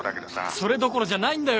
それどころじゃないんだよ